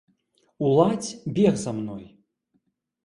Уладзь бег за мной.